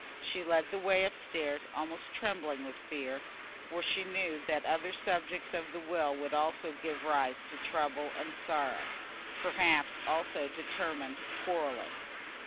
She led the way up stairs, almost trembling with fear, for she knew that that other subject of the will would also give rise to trouble and sorrow, perhaps, also, to determined quarrelling.